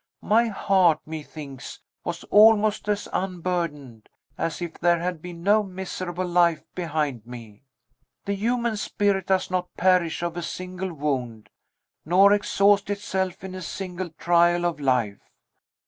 My heart, methinks, was almost as unburdened as if there had been no miserable life behind me. The human spirit does not perish of a single wound, nor exhaust itself in a single trial of life.